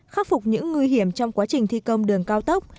khắc phục những nguy hiểm trong quá trình thi công đường cao tốc